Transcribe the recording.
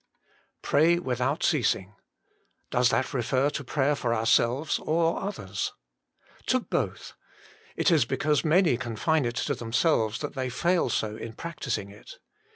Pray without Ceasing. Does that refer to prayer for ourselves or others ? To both. It is because many confine it to themselves that they fail so in practising it.